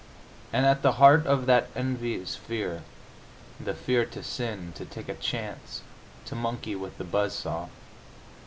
And at the heart of that envy is fear the fear to sin, to take a chance, to monkey with the buzzsaw.